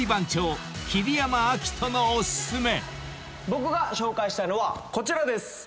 僕が紹介したいのはこちらです！